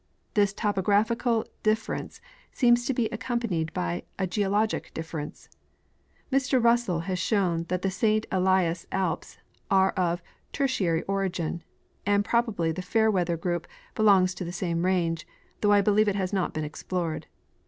This topographic difference seems to be accompanied by a geologic difference. Mr Russell has shown that the St. Elias alps are of Tertiary origin ;* and probably the Fairweather group belongs to the same range, though I believe it has not been explored.